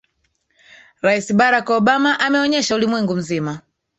rais barak obama ameonyesha ulimwengu mzima